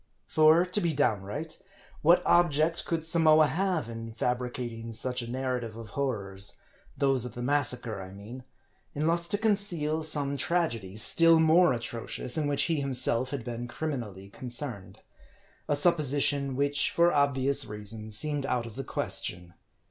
For, to be downright, what object could Samoa have, in fabricating such a narrative of horrors those of the mas sacre, I mean unless to conceal some tragedy, still more atrocious, in which he himself had been criminally con cerned ?. A supposition, which, for obvious reasons, seemed out of the question.